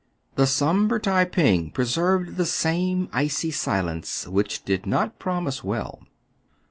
The sombre Tai ping preserved the same icy silence, which did not promise well.